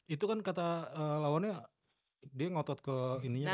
itu kan kata lawannya dia ngotot ke ininya kan